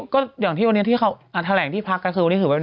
ก็อย่างที่วันนี้ที่เขาอ่าแถลงที่พักน่ะคือวันนี้คือเป็น